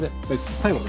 最後。